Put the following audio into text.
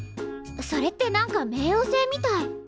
それって何か冥王星みたい。